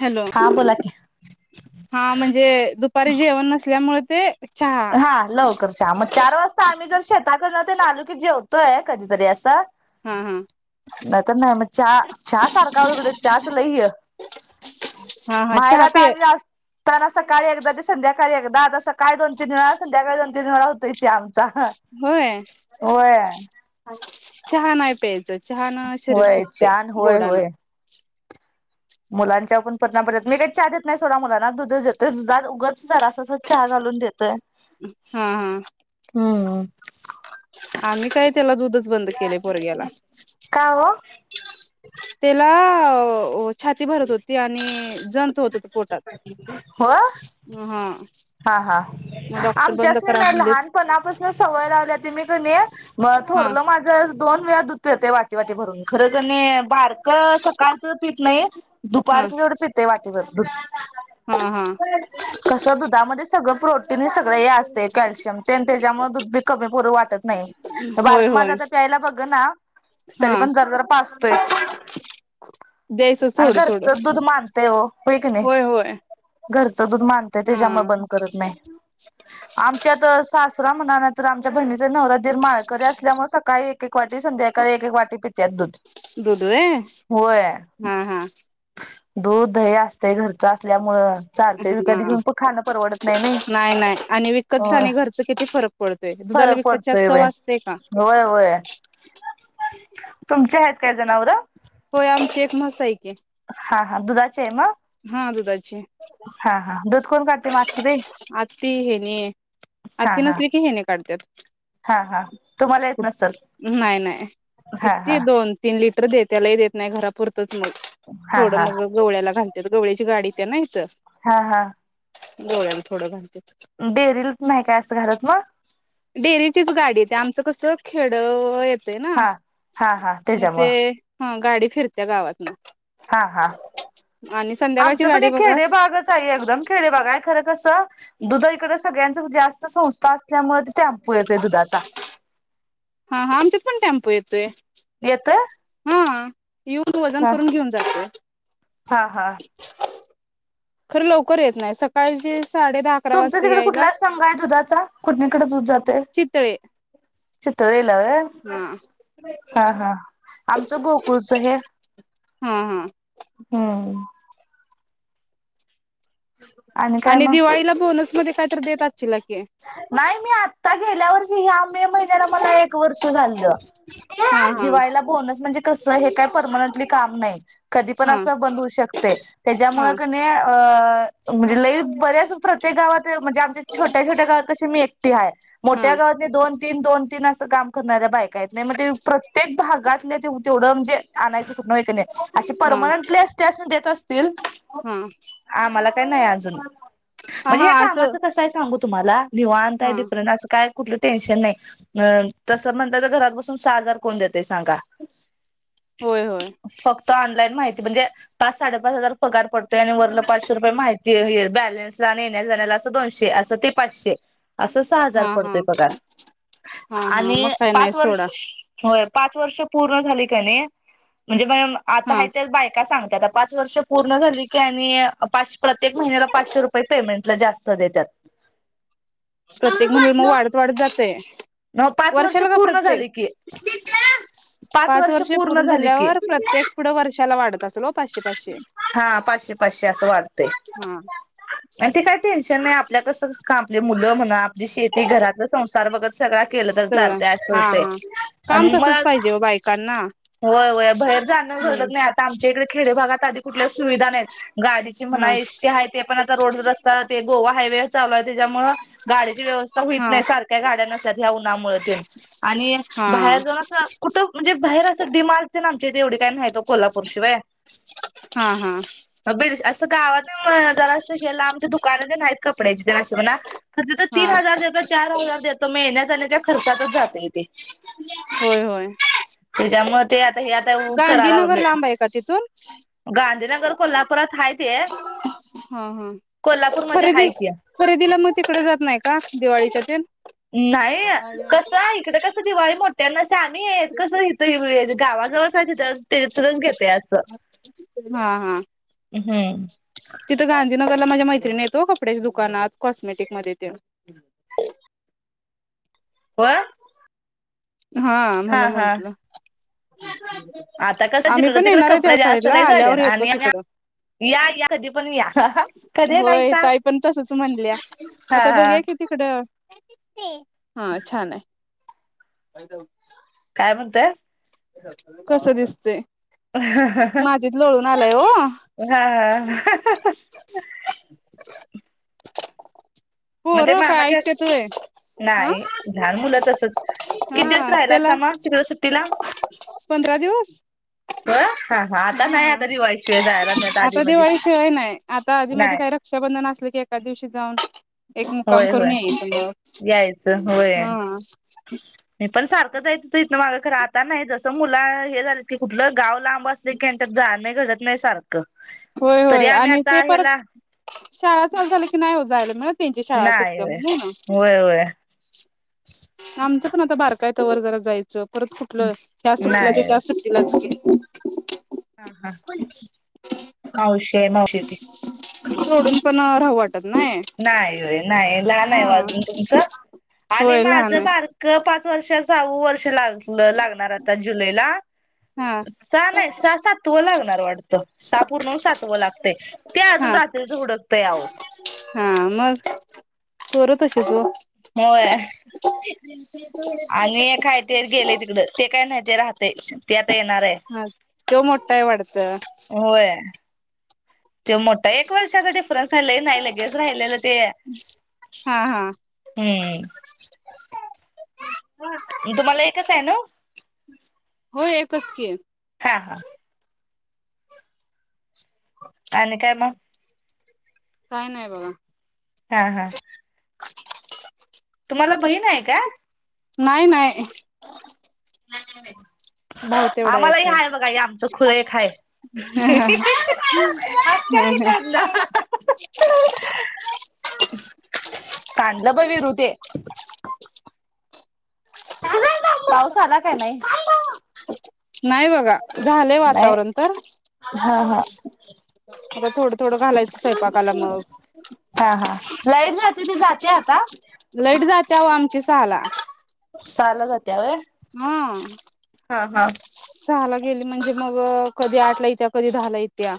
Hello हा बोला की हा म्हणजे दुपारी जेवण नसल्यामुळे ते चहा हा लवकर मग चार वाजता आम्ही जर शेताकडन ते आलू की जेवतो तो आहे कधीतरी असा हा हा नाही तर नाही मग चहा चहा सारखा चहाच लई य हा हा चहा माहेरात पिय आम्ही असताना सकाळी एकदा ते संध्याकाळी दादा स काळी काय दोन तीन वेळा संध्याकाळी दोन तीन वेळा होतोय चहा चहा होय होय हम्म चहा नाही प्यायचं छान शरीर फुगते छान होय गोडानं होय मुलांच्या पण [unintelligible] मी काही चहा देत नाही सोडा मुलांना दुध देत दुधात उगाच जरा अस चहा घालून देतोय हा हा हम्म हम्म आम्ही काय त्याला दुधच बंद केले पोरग्याला का हो त्याला छाती भरत होती आणि [inaudible] जंत होत पोटात हो हा हा हा मग डॉक्टर बंद आमच्याच नाही करा नाही म्हणलेत लहानपणापासून सवय लावल्या त मी कणी हा थोरलं माझ दोन दूध पितय वाटी वाटी भरून खर तर नाही बारक सकाळच पित नाही हा दुपारच तेवढं पितय वाटीभरून हा हा कस दूध मध्ये सगळ प्रोटीन हे सगळं हे असतं ते कॅल्शियम तन ते त्याच्यामुळे दुध कमी ब वाटत नाही होय बारक होय माझा प्यायला बघ ना हा तरी पण जरा जरा पाजतोय द्यायचं आणि थोडं थोडं घरच दूध मानतय की नाही होय होय [unintelligible] घरच दूध मानतय हा त्याच्या करत नाही आमच्या आता सासरा म्हणा तरर आमच्या बहिणीचा नवरा माळकरी असल्यामुळे सकाळी एक एक वाटी संध्याकाळी एक एक वाटी पित्यात दूध दुध होय होय हाहा दूध दही असते घरच असल्यामुळं चालतेय विकत हा घेऊन खाण पण नाही नाही आणि विकतच होय आणि घरच किती फरक पडतोय दुधाला फरक विकतच्या पडतोय चव व्हय असतेय का? तुमच्या आहेत काय जनावर? होय आमचे एक म्हैस आहे कि हा हा दुधाचे मग हा दुधाची [unintelligible] हा दुध कुठल आत्ती हेनी हा आत्ती हा नसली की हेने काढत्यात हा हा तुम्हाला येत नसल नाही नाही हा हा किती दोन तीन लिट खरं देत्या लई देत नाही घरापुर [unintelligible] हा थोडं हा मग गवळ्याला घालत त्या गावळ्याची गाडी येत्या त्या ना इथं. हा हा गवळ्याला थोडं घालते डेरीला नाही काय असं घालत मग? डेअरीचीच गाडी येत्या. आमचं कसं खेड ये असतय ना हा हा हा म त्याच्यामुळं ते गाडी फिरत्या गावातन. हा हा संध्याकाळची आमचं पण गाडी एक बघा खेडे भागच आहे एकदम खेडेबाग आहे खरं कसं दुध इकडे सगळ्यां जास्त संस्था असल्यामुळे टेम्पो येतोय दुधाचा. हा हा आमच्यात पण टॅम्पो येतोय. येतोय हां येऊन वजन हा करून घेऊन जातोय. हा हा खर लवकर येत नाही सकाळचीच तुमच्या तिकडे कुठला संघ आहे दुधाचा? कुठणीकडे दूध जातय? चितळे चितळे व्हय हा ह ह आमच गोकुळच हे. हा हा हम्म काय आणि मग दिवाळीला बोनस मग ते काय तर देतात. नाही मी आता गेल्या वर्षी ह्या मे महिन्याला मला एक वर्ष झालं. हा हा दिवाळीला बोनस म्हणजे कस हे काय परमनंटली काम नाही. कधी पण हा अस बंद होऊ शकतय. त्याच्यामुळं हा कणी अ म्हणजे लईच बऱ्याच प्रत्येक गावात ते म्हणजे आमच्या छो त्या छोट्या गावात कशी मी एकटी हाय. हा मोठ्या गावात दोन तीन दोन तीन आस काम करणाऱ्या बाईक काय येत नाही मग ते प्रत्येक भाग गातले ते तेवढं म्हणजे आणायचं कुठन होय कणी अशी परमनंटली असत्या त्यासनी तील हां त्या नाही अजून. म्हणजे या असं कामाचं कसा आहे सांगु तुम्हाला निवांत आहे हा डिफरंन असं काय कुठल टेन्शन नई. तस म्हणलं तर घरात बसून सहा हजार कोण देतय सांगा. होय होय फक्त ऑनलाईन माहिती म्हणजे पाच साडे पाच हजार पगार पडतोय आणि वरला पाचशे रुपये माहिती बॅलन्सला आणि येण्या जाण्याला अस दोनशे असं पाचशे असं सहा हजार हा हा पडतोय पगार हा हा मग आणि काय नाही पाच वर्ष सोडा होय पाच वर्ष पूर्ण झाली कणी पण आता हा हाय त्याच बायका सांग आता पाच वर्ष पूर्ण झाली की आणि प्रत्येक महिन्याला पाचशे रुपये पेमेंटला जास्त देत्यात. प्रत्येक महिन्याला मग वाढत वाढत जातय. पाच वर्ष वर्षाला का पूर्ण प्रत्येक? झाली की पाच वर्ष पूर्ण झाल्यावर प्रत्येक पुढ वर्षा हा पाचशे पाचशे असं वाढतय. हा आणि ते काय ते टेन्शन नई आपल्या कस का आपली मुलं म्हना जी शेती घरातल संसार बघत सगळा केलं तर सगळं चालतंय असं हा होतंय. हा काम तसच पाहिजे हो बायकांना. व्हय व्हय बाहेर जाणं घडत हम्म नाही. आता आमच्या इडे खेडे भागात आधी कुठल्या सुविधा नईत. गाडीची हा म्हणा एसटी आहे ते पण आता रोड रस्ता गोवा हायवे चालू आहे त्यांच्यामुळे गाडीची व्यवस्था हा हुइत नई सारख्या गाड्या नसत्यात ह्या उन्हामुळ तेन आणि हा बाहेर जाऊन असं कुठं म्हणजे बाहेर डिर्माट तेन आमच्या कड येवड काय नाहीत ओ कोल्हापूर शिवाय. हा हा बीड असं गावात जरा अस गेला लांब दुकान तेन हाइत कपड्याची तेन अशी म्हणा. खर तिथं तीन हा हजार देतो, चार हजार देतो म येण्या जाण्या त्या खर्चातच जातय ते. होय होय त्याच्यामुळे ते आता हे आता कराय गांधीनगर लागलोय. लांब आहे का तिथून गांधीनगर कोल्हापुरात हा ते. हा हा कोल्हापूरमध्ये हाय खरेदी की खरेदीला मग तिकडे जात नाही का दिवाळीच्या ते नाही. कसाय इकड कस दिवाळी मोठ त्यांना ते आम्ही कसं इथ गावाजवळच हाय तिथं तेथूनच घेतय अस हा हा हम्म तिथं गांधीनगरला माझ्या मैत्रिणी आहेत ओ कपड्याच्या दुकानात. कॉस्मेटिक मध्ये ते [unintelligible] आं हां म्हणून म्हंटलं, आता कसं आम्ही जिकडं पण तिकडे येणार आहे त्या कपडे जास्त साईडला लय आल्यावर झालेत येतो आणि तिकडं. आणि या या कधी पण या कधी होय, येनायसा? ताई पण तसच म्हणल्या हा आता हा बघूया कि तिकडं. किडकित ते हां छान आय. काय दउन काय म्हणताय? कसं दिसते? मातीत लोळून आलाय हो हां-हां [inaudible] [unintelligible] म्हणजे पोरं काय मामाच्यात? ऐकत्यात व्हय हा नाही झान मुलं तसच. कि दिवस हा राहिलासा त्याला म तिकडं सुट्टीला? होय हां. हम्म आधी आता मधी दिवाळी शिवाय नाय. आता आधी, मधी नाही काय रक्षाबंधन असलं की एखादिवशी जाऊन [unintelligible] एक मुक्काम होय करून होय येईल यायचं [unintelligible] होय हां. मी पण सारखं जायचं ते इथनं मागं खरं आता नाही, जसं मुलं हे झालेत की कुठलं गाव लांब असले की आण् त्यात जाणं घडत नाही सार क होय तरी होय आम्ही आणि ते आता ह्याला परत शाळा चालू झाली की नाही ओ जायला मिळतं. नाई व्हय, वय-वय. आमचं पण आता बारका आहे तवर जरा जाईल. चप परत कुठलं, ह्या सुट्टीला ते नाही त्या सुट्टीलाच की. [inaudible] हा हा, कोणती मावशी. ए मावशी आय ती. कुठली? सोडून [unintelligible] नाही व्हय नाही लहान आहे ओ हा अजून तुमचं, आणि होय लहान माझं आहे बारकं पाच वर्ष सहावं वर्ष लाग ल लागणार आता जुलै ला हा सा नाही, सा सातवं लागणार वाटतं सहा पूर्ण होऊन सातवं लाग ते ते आजून हा रात्रीचं हुडकतंय आवो. पोरं तशीच वो हम्म होय आणि काय नाही ते गेले तिकड ते काय नाही ते काय राहतय ते येणार आहे हा तो मोठा आहे वाटतं होय. तेव मोठा आहे एक वर्षाचा डिफरन्स हाय लई नाही लगेच राहिलेलं ते हा हा हम्म तुम्हाला एकच हाय नव्हं? होय एकच की. हा हा. आणि काय मग काय नाही बघा. हा हा तुम्हाला बहीण आहे का? नाही नाहीय. [unintelligible] आम्हालाही एक आहे. हाय बघा आमचं खुळ एक हाय हसतिया कि पुढनं त्यांना सांडलं ब वीरु ते. पाऊस आला का नाही नाही बघा झालंय नाही वातावरण तर हा हा. आता थोडं थोडं घालायचं स्वयंपाकाला मग हा हा लाईट जाते ती जाते आता लाईट जातीया ओ आमची सहाला सहाला जात तिया व्हय हा हा हा सहाला गेली म्हणजे मग कधी आठला येत्या कधी दहा ला येत्या.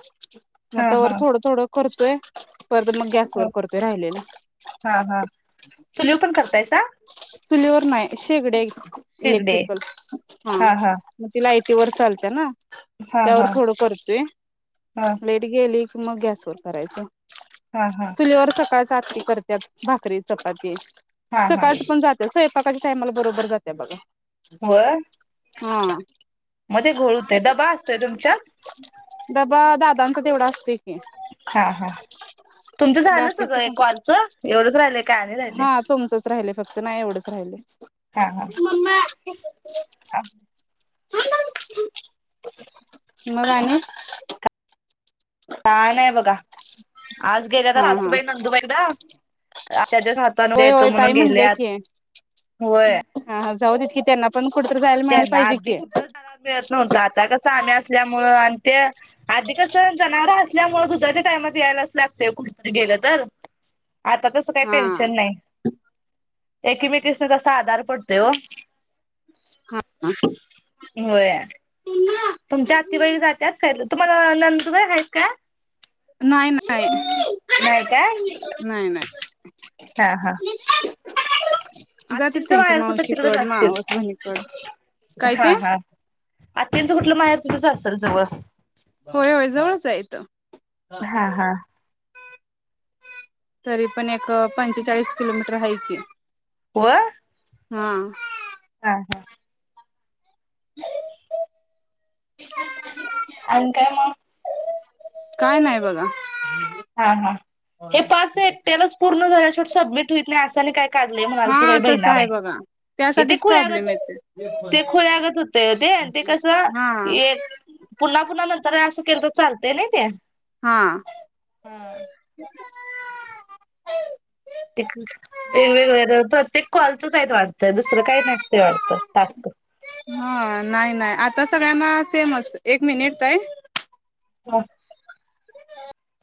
मग हा तवर हा थोडं थोडं करतोय परत मग ह गॅसवर करतोय राहिलेलं हा हा चुलीवर पण करतायसा? चुलीवर नाही शेगडीयं शिगडे इलेक्ट्रिकल हा म ती लाईट ती वर चालतिया ना. हा त्यावर हा थोडं करतोय ह लाईट गेली मग गॅसवर करायचं. हा हा चुलीवर सकाळ काकी करत्यात भाकरी, चपाती हा हा सकाळच्या टायमाला बरोबर जातिया बघा. व्हय हा मग ते घोळ होतोय डबा असतोय तुमच्यात? सांग ग तेवढा? की हा हा तुमच झालं बाकीच सगळं पण एक कॉल च एवढंच राहिलयं काय आणि राहिलयं? हा तुमचंच राहिलय फक्त नाही एवढंच राहिलयं. हा हा मम्मा कसं? आ [inaudible] मग आणि काय नाय बघा. आज गेल्यात हा हा सासूबाई नंदुबाईकडं. आजच्या दिवस राहतो उद्या होय येतो होय ताई म्हणून म्हणल्या गेल्यात की होय? हा हा जाऊ देत की त्यांना पण कुठेतरी जायला मिळायला त्यांना पाहिजे आधी की. कुठ जायल मिळत नव्हतं आता कस आम्ही असल्यामुळे आणि ते आधी कस जनावर असल्यामुळे दुधाच्या टाईमात यायलाच लागतय कुठतरी गेलं तर - आता तसं काही हा. टेन्शन नाही. एकमेकीसनी तसा आधार पडतोय ओ हा व्हय तुमच्या आत्तीबाई जात्यात का तुम्हाला नंदूबाई आहेत काय? नाही नाही काय नाही नाही हा हा जातात आत्तींचं त्यांच्या माहेर कुठं तिकडच मावशीकड असतील मावस बहिणी कडे हा हा आत्तींच कुठलं माहेर? इथेच असेल जवळ? होय होय जवळच आहे इथं. हा हा तरी पण एक पंचेचाळीस किलोमीटर हाय की. व हा हा हा आणि काय मग? काय नाही बघा. हा हा हे पाच एकट्यालाच पूर्ण झाल्या सबमिट होत नाही अस आणि काय काढले म्हणालती बई हा तसं बहिणा बाई आहे बघा हे ते त्यासाठीच खुळ्यागत प्रॉब्लेम येते ते खुळ्यागत होतय ओ ते आणि ते कसं हा पुन्हा पुन्हा नंतर असं केलं तर चालतंय नाही? त्या हा हा वेगवेगळ प्रत्येक कॉलचच आहेत वाटतं दुसरं काही नसतंय वाटत टास्क हा नाही नाही आता सगळ्यांना सेमच एक मिनिट ताई [inaudible]